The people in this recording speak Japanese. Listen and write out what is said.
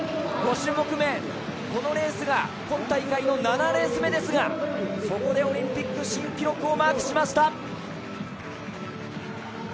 ５種目め、このレースが今大会の７レース目ですがそこでオリンピック新記録をマークしました。